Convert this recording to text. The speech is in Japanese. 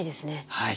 はい。